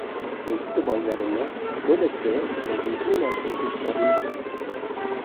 Nêzîkî bajarê me goleke bi mezinbûna sê hektar nîv heye.